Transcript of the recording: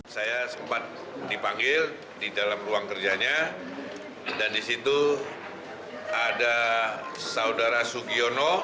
saya sempat dipanggil di dalam ruang kerjanya dan disitu ada saudara sugiono